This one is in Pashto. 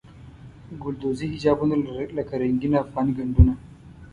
ګلدوزي حجابونه لکه رنګین افغاني ګنډونه.